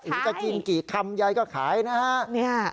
หรือจะกินกี่คำยายก็ขายนะฮะ